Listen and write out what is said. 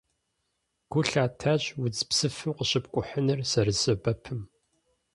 Гу лъатащ удз псыфым къыщыпкӀухьыныр зэрысэбэпым.